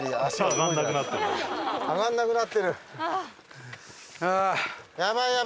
上がらなくなってる。